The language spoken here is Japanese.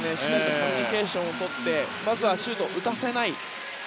コミュニケーションをとってまずはシュートを打たせない。